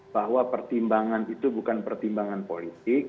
bahwa pertimbangan itu bukan pertimbangan politik